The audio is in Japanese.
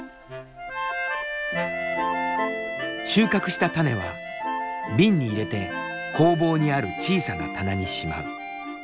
収穫した種は瓶に入れて工房にある小さな棚にしまう。